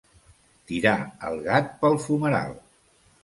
Tirar el gat pel fumeral.